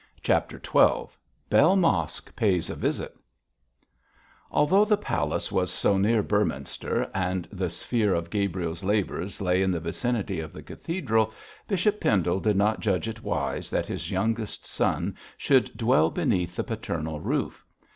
CHAPTER XII BELL MOSK PAYS A VISIT Although the palace was so near Beorminster, and the sphere of Gabriel's labours lay in the vicinity of the cathedral, Bishop Pendle did not judge it wise that his youngest son should dwell beneath the paternal roof.